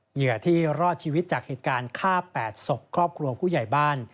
เหยื่อที่รอดชีวิตจากเหตุการณ์ฆ่า๘ศพครอบครัวผู้ใหญ่บ้าน